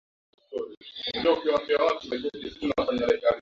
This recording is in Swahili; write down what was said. Mbegha alizikwa katika kaburi ndani ya ngozi ya ngombe dume mweusi pamoja na paka